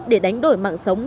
để đánh đổi mạng sống